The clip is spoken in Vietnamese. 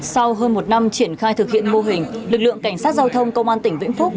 sau hơn một năm triển khai thực hiện mô hình lực lượng cảnh sát giao thông công an tỉnh vĩnh phúc